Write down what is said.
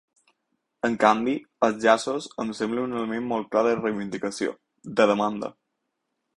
En canvi, els llaços em semblen un element molt clar de reivindicació, de demanda.